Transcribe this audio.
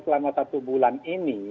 selama satu bulan ini